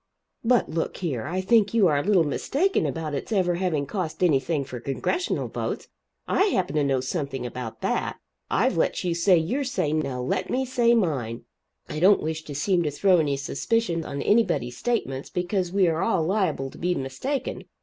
"But look here. I think you are a little mistaken about it's ever having cost anything for Congressional votes. I happen to know something about that. I've let you say your say now let me say mine. I don't wish to seem to throw any suspicion on anybody's statements, because we are all liable to be mistaken.